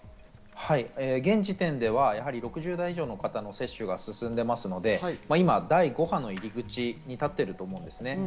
現時点では６０代以上の方の接種が進んでいますので、今第５波の入り口に立っていると思うんですね。